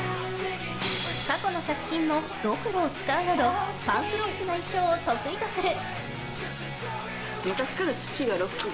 過去の作品もドクロを使うなどパンクロックな衣装を得意とする。